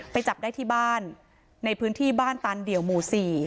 ไปจับได้ที่บ้านในพื้นที่บ้านตาร์นเดลหมู่สี่